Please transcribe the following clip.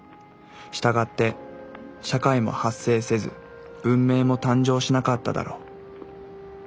したがって社会も発生せず文明も誕生しなかっただろう。